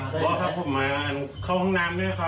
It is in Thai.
บุกครับผมมาเข้าห้องน้ำนี่ครับ